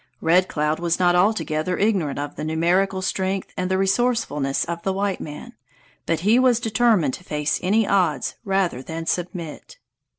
Red Cloud was not altogether ignorant of the numerical strength and the resourcefulness of the white man, but he was determined to face any odds rather than submit.